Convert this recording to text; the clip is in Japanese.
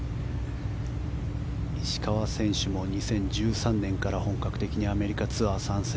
石川選手も２０１３年から本格的にアメリカツアー参戦。